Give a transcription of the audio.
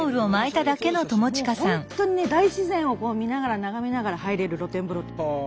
もう本当にね大自然を見ながら眺めながら入れる露天風呂。